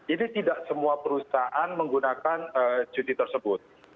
ini tidak semua perusahaan menggunakan cuti tersebut